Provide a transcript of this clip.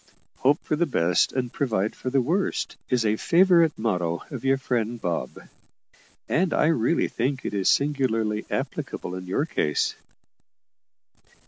`Hope for the best and provide for the worst' is a favourite motto of your friend Bob; and I really think it is singularly applicable in your case."